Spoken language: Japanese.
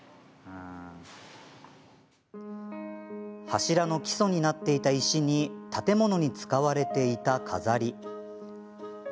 柱の基礎になっていた石に建物に使われていた飾り。